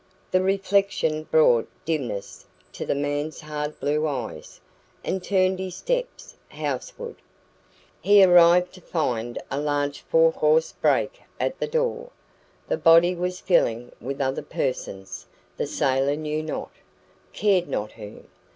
The reflection brought dimness to the man's hard blue eyes, and turned his steps houseward. He arrived to find a large four horsed brake at the door. The body was filling with other persons the sailor knew not, cared not whom.